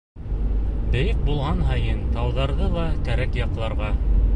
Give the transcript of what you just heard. Бейек булған һайын, Тауҙарҙы ла кәрәк яҡларға!